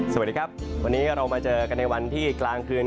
สวัสดีครับวันนี้เรามาเจอกันในวันที่กลางคืน